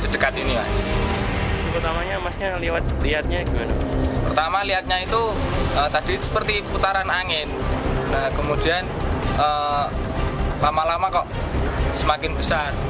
dan lama lama kok semakin besar